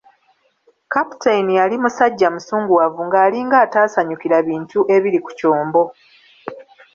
Captain yali musajja musunguwavu ng'alinga ataasanyukira bintu ebiri ku kyombo.